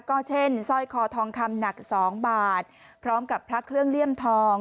ก็เช่นสร้อยคอทองคำหนัก๒บาทพร้อมกับพระเครื่องเลี่ยมทอง